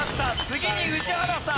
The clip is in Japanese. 次に宇治原さん